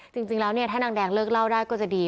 จริงแล้วเนี่ยถ้านางแดงเลิกเล่าได้ก็จะดี